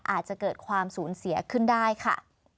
อาจจะเกิดความสูญเสียขึ้นได้ค่ะ